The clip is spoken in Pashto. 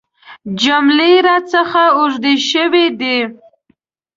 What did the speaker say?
جملې راڅخه اوږدې شوي دي .